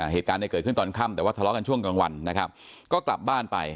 เหตุการณ์เกิดขึ้นตอนค่ำแต่ว่าทะเลาะกันช่วงกลางวัน